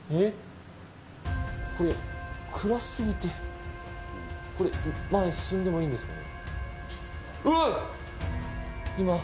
これ、暗すぎて、これ、前進んでもいいんですかね。